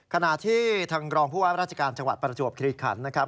ขณะที่ทางรองผู้ว่าราชการจังหวัดประจวบคิริขันนะครับ